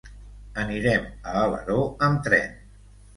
Anirem a Alaró amb tren.